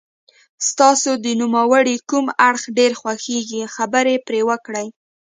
ستاسو د نوموړي کوم اړخ ډېر خوښیږي خبرې پرې وکړئ.